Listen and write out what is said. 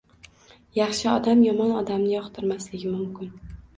Yaxshi odam yomon odamni yoqtirmasligi mumkin.